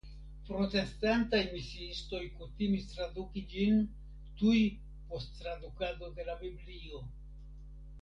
Protestantaj misiistoj kutimis traduki ĝin tuj post tradukado de la Biblio.